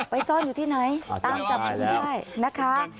ไปซ่อนอยู่ที่ไหนตามจับกลุ่มได้นะคะ